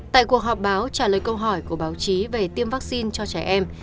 tại cuộc họp báo trả lời câu hỏi của báo chí về tiêm vaccine cho trẻ em